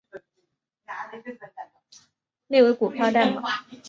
内为股票代码